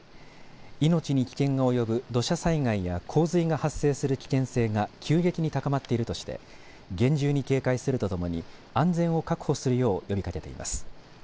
命に危険が及ぶ土砂災害や洪水が発生する危険性が急激に高まっているとして厳重に警戒するとともに安全を確保するよう呼びかけています。